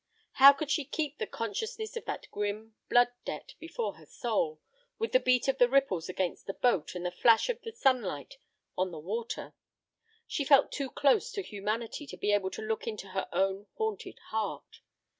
How could she keep the consciousness of that grim blood debt before her soul, with the beat of the ripples against the boat and the flash of the sunlight on the water? She felt too close to humanity to be able to look into her own haunted heart.